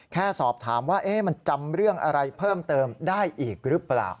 แค่สอบถามว่ามันจำเรื่องอะไรเพิ่มเติมได้อีกหรือเปล่า